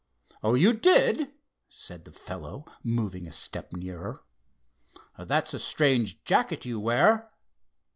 "Oh, you did?" said the fellow, moving a step nearer. "That's a strange jacket you wear.